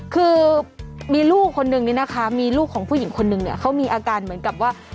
คือมีลูกคนนึงนี่นะคะมีลูกของผู้หญิงคนนึงเนี่ยเขามีอาการเหมือนกับว่า